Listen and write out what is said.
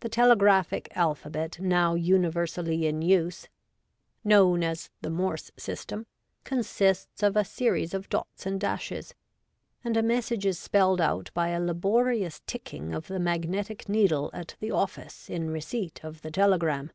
The telegraphic alphabet now universally in use — ^^known as the Morse system — consists of a series of dots and dashes ; and a message is spelled out by a laborious ticking of the magnetic needle at the office in receipt of the telegram.